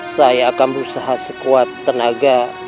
saya akan llosoka luka sampai tersenjatuh